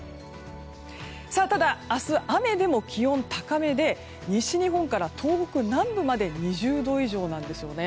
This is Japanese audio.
ただ明日、雨でも気温高めで西日本から東北南部まで２０度以上なんですね。